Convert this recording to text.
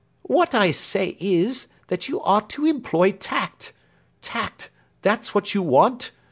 "What I say is, that you ought to employ tact. Tact; that's what you want.